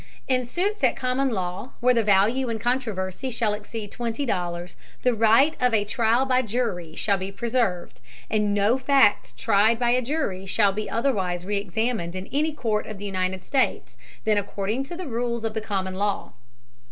In suits at common law, where the value in controversy shall exceed twenty dollars, the right of trial by jury shall be preserved, and no fact tried by a jury shall be otherwise re examined in any Court of the United States, than according to the rules of the common law.